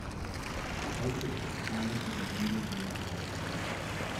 Heute ist keine dieser Mühlen mehr erhalten.